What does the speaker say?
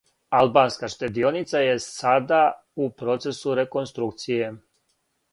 Албанска штедионица је сада у процесу реконструкције.